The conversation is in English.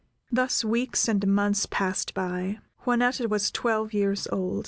Thus weeks and months passed by. Juanetta was twelve years old.